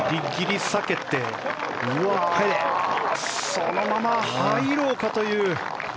そのまま入ろうかというショット。